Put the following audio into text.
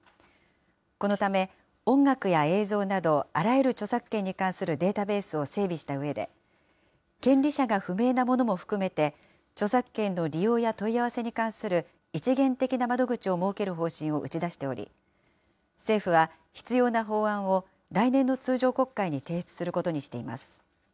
このため、音楽や映像など、あらゆる著作権に関するデータベースを整備したうえで、権利者が不明なものも含めて、著作権の利用や問い合わせに関する一元的な窓口を設ける方針を打ち出しており、政府は、必要な法案を来年の通常国会に提出することにしています。